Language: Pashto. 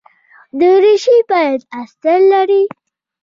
دریشي باید استر لري.